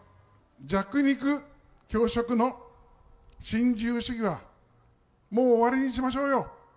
弱肉強食の新自由主義は、もう終わりにしましょうよ。